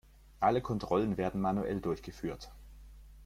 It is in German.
Alle Kontrollen werden manuell durchgeführt.